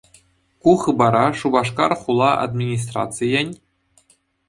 Ку хыпара Шупашкар хула администрацийӗн